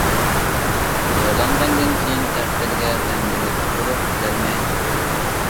يارىلانغاندىن كېيىن تەقدىرگە تەن بېرىپ تۇرۇپ بەرمەي.